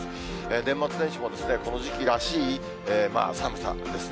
年末年始もこの時期らしい寒さですね。